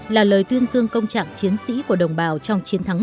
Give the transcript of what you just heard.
là lời tuyên dương công trạng chiến sĩ của đồng bào trong chiến thắng